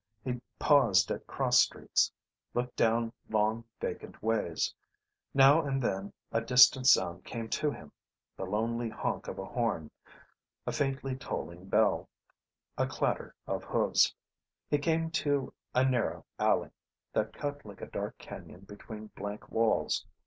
He paused at cross streets, looked down long vacant ways. Now and then a distant sound came to him: the lonely honk of a horn, a faintly tolling bell, a clatter of hooves. He came to a narrow alley that cut like a dark canyon between blank walls.